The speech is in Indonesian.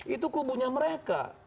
itu kubunya mereka